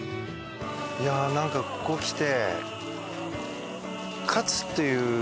いやあなんかここ来て。